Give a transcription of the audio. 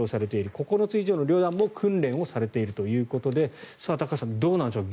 ９つ以上の旅団も訓練されているということで高橋さんどうなんでしょう。